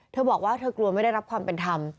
เธอบอกว่าเธอกลัวไม่ได้รับความเป็นธรรม